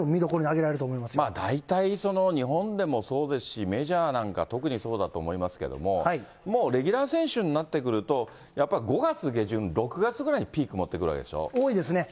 大体、日本でもそうですし、メジャーなんか特にそうだと思いますけども、もうレギュラー選手になってくると、やっぱ５月下旬、６月ぐらい多いですね。